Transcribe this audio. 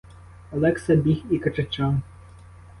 Олекса біг і кричав.